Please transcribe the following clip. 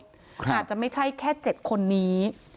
อาจจะไม่ใช่แค่๗คนนี้